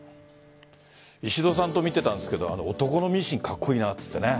石戸さんと見ていたんですが男のミシンカッコいいなと言ってね。